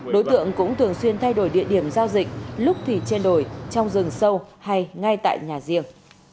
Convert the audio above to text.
đối tượng cũng thường xuyên thay đổi địa điểm giao dịch lúc thì trên đồi trong rừng sâu hay ngay tại nhà riêng